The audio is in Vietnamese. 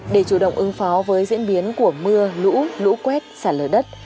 để chủ động ứng phó với diễn biến của mưa lũ lũ quét xả lở đất